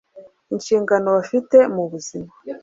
inshingano bafite mu buzima